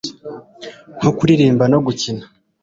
nko kuririmba no gukina